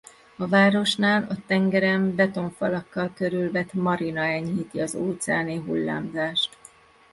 A városnál a tengeren betonfalakkal körülvett marina enyhíti az óceáni hullámzást.